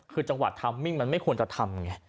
คือจังหวะทำมิ่งมันไม่ควรจะทำไง